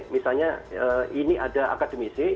misalnya ini ada akademisi